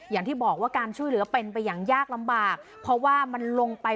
อย่างที่บอกว่าการช่วยเหลือเป็นไปอย่างยากลำบากเพราะว่ามันลงไป